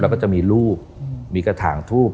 แล้วก็จะมีรูปมีกระถางทูบ